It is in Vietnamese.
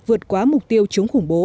vượt qua mục tiêu chống khủng bố